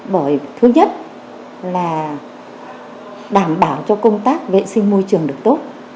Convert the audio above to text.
bởi thứ nhất là đảm bảo cho công tác vệ sinh môi trường được tốt